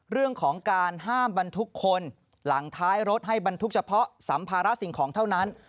เรื่องของการห้ามบรรทุกคนหลังท้ายรถให้บรรทุกเฉพาะสัมภาระสิ่งของเท่านั้น